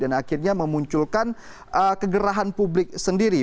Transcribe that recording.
dan akhirnya memunculkan kegerahan publik sendiri